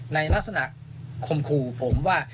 ในลักษณะคมขู่ผมว่า